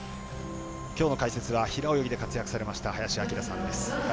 きょうの解説は平泳ぎで活躍されました林享さんです。